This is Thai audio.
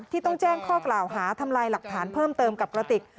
ต้องแจ้งข้อกล่าวหาทำลายหลักฐานเพิ่มเติมกับกระติก